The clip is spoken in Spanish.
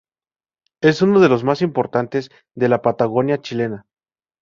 Es uno de los más importantes de la Patagonia, chilena.